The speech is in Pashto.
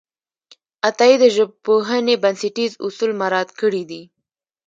عطایي د ژبپوهنې بنسټیز اصول مراعت کړي دي.